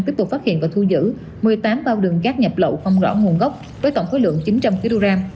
tiếp tục phát hiện và thu giữ một mươi tám bao đường cát nhập lậu không rõ nguồn gốc với tổng khối lượng chín trăm linh kg